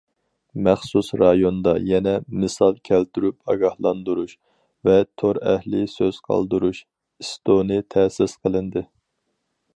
مەخسۇس رايوندا يەنە« مىسال كەلتۈرۈپ ئاگاھلاندۇرۇش» ۋە« تور ئەھلى سۆز قالدۇرۇش» ئىستونى تەسىس قىلىندى.